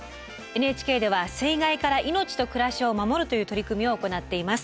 ＮＨＫでは水害から命と暮らしを守るという取り組みを行っています。